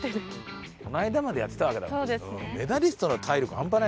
この間までやってたわけだから。